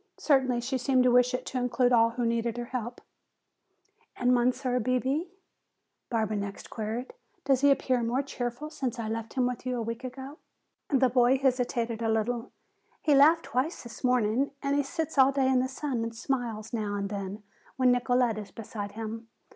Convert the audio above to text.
Certainly she seemed to wish it to include all who needed her help. "And Monsieur Bebé?" Barbara next queried. "Does he appear more cheerful since I left him with you a week ago?" The boy hesitated a little. "He laughed twice this morning and he sits all day in the sun and smiles now and then when Nicolete is beside him.